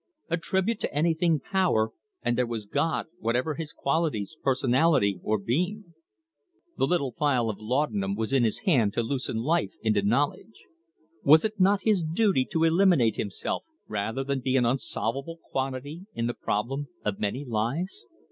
Attribute to anything power, and there was God, whatever His qualities, personality, or being. The little phial of laudanum was in his hand to loosen life into knowledge. Was it not his duty to eliminate himself, rather than be an unsolvable quantity in the problem of many lives?